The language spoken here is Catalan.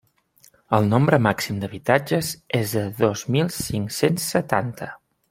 El nombre màxim d'habitatges és de dos mil cinc-cents setanta.